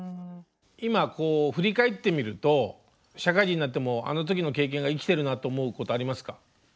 今こう振り返ってみると社会人になってもあの時の経験が生きてるなって思うことありますか？